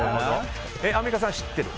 アンミカさんは知ってる？